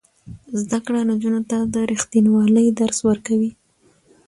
زده کړه نجونو ته د ریښتینولۍ درس ورکوي.